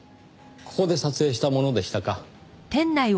ここで撮影したものでしたか。